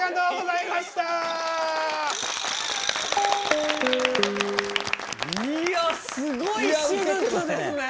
いやすごい手術ですね。